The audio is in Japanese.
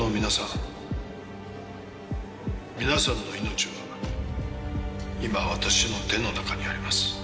皆さんの命は今私の手の中にあります。